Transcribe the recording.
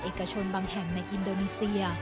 เอกชนบางแห่งในอินโดนีเซีย